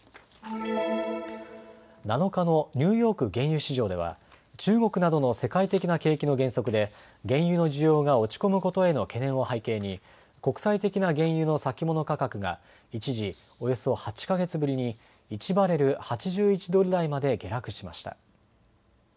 ７日のニューヨーク原油市場では中国などの世界的な景気の減速で原油の需要が落ち込むことへの懸念を背景に国際的な原油の先物価格が一時、およそ８か月ぶりに１バレル８１ドル台まで下落しました。